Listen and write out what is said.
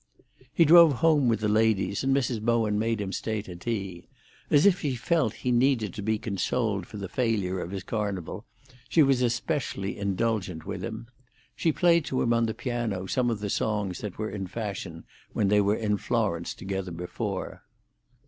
He drove home with the ladies, and Mrs. Bowen made him stay to tea. As if she felt that he needed to be consoled for the failure of his Carnival, she was especially indulgent with him. She played to him on the piano some of the songs that were in fashion when they were in Florence together before.